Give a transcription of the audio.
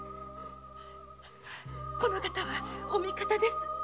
この方はお味方です。